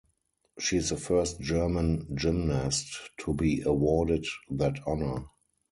She is the first German gymnast to be awarded that honor.